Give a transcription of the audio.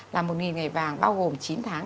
là một ngày vàng bao gồm chín tháng